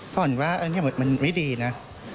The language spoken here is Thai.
ซ่อนว่านี่หมดมันไม่ดีนะ